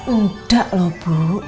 udah loh bu